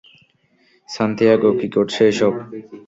Santiago, কী করছো এসব?